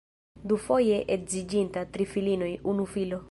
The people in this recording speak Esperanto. Dufoje edziĝinta, tri filinoj, unu filo.